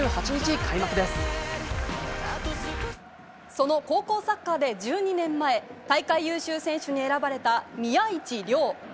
その高校サッカーで１２年前、大会優秀選手に選ばれた宮市亮。